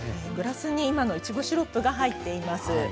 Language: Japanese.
グラスに今のいちごシロップが入っています。